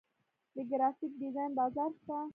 د ګرافیک ډیزاین بازار شته